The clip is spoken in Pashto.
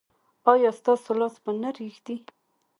ایا ستاسو لاس به نه ریږدي؟